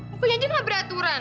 mukanya aja gak beraturan